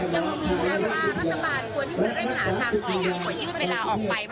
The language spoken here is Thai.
ยังมองยืนยันว่ารัฐบาลควรที่จะเร่งหาทาง